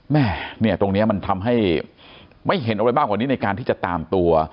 แม่เนี่ยตรงนี้มันทำให้ไม่เห็นอะไรมากกว่านี้ในการที่จะตามตัว